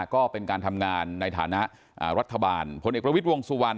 ก็เป็นการทำงานในฐานะรัฐบาลพลเอกประวิทย์วงสุวรรณ